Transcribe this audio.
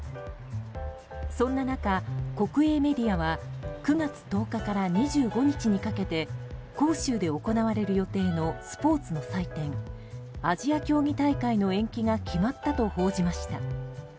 そんな中、国営メディアは９月１０日から２５日にかけて杭州で行われる予定のスポーツの祭典アジア競技大会の延期が決まったと報じました。